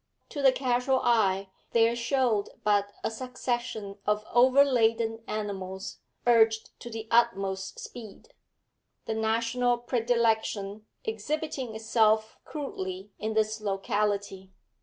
To the casual eye there showed but a succession of over laden animals urged to the utmost speed; the national predilection exhibiting itself crudely in this locality.